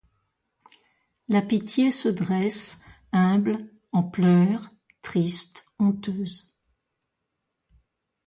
La pitié se dresse, humble, en pleurs, triste, honteuse